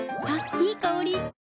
いい香り。